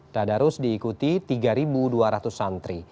tadarus diikuti tiga dua ratus santri